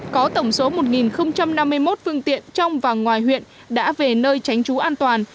có tổng số một năm mươi một phương tiện trong và ngoài huyện đã về nơi tránh trú an toàn